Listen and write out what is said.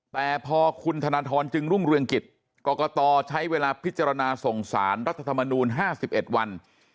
แต่พอคุณธนทรจึงรุ่งเรืองกิจกรกตใช้เวลาพิจารณาส่งสารรัฐธรรมนูล๕๑วัน